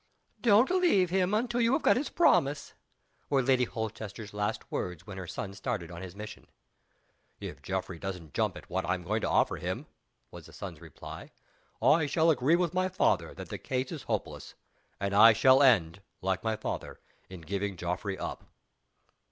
"Don't leave him till you have got his promise," were Lady Holchester's last words when her son started on his mission. "If Geoffrey doesn't jump at what I am going to offer him," was the son's reply, "I shall agree with my father that the case is hopeless; and I shall end, like my father, in giving Geoffrey up."